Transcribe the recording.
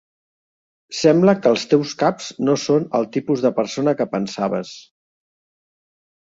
Sembla que els teus caps no són el tipus de persona que pensaves.